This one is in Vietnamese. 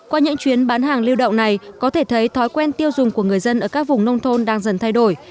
qua những chuyến bán hàng lưu động này có thể thấy thói quen tiêu dùng của người dân ở các vùng nông thôn đang dần thay đổi